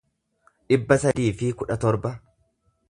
dhibba sadii fi kudha torba